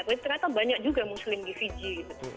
tapi ternyata banyak juga muslim di fiji gitu